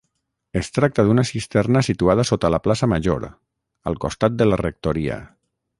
Es tracta d'una cisterna situada sota la plaça Major, al costat de la rectoria.